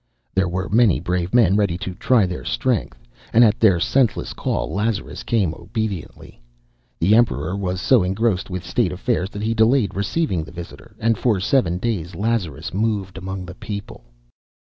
There were many brave men ready to try their strength, and at their senseless call Lazarus came obediently. The Emperor was so engrossed with state affairs that he delayed receiving the visitor, and for seven days Lazarus moved among the people.